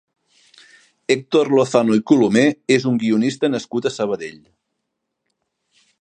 Héctor Lozano i Colomer és un guionista nascut a Sabadell.